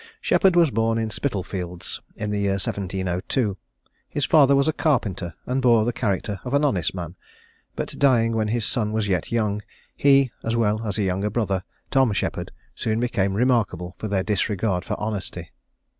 Sheppard was born in Spitalfields, in the year 1702; his father was a carpenter and bore the character of an honest man; but dying when his son was yet young, he, as well as a younger brother, Tom Sheppard, soon became remarkable for their disregard for honesty.